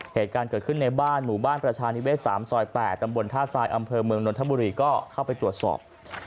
เหตุการณ์เกิดขึ้นในบ้านหมู่บ้านประชานิเศษ๓ซอย๘ตำบลท่าทรายอำเภอเมืองนนทบุรีก็เข้าไปตรวจสอบ